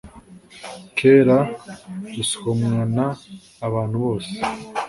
Kr rusomwa n abantu bose